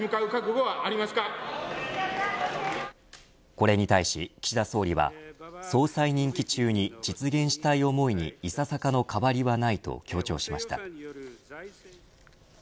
これに対し、岸田総理は総裁任期中に実現したい思いにいささかの変わりはないと強調しました。